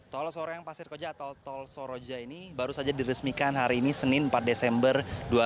tol soreang pasir koja atau tol soroja ini baru saja diresmikan hari ini senin empat desember dua ribu dua puluh